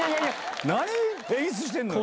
何演出してんのよ！